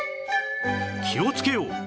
気をつけよう！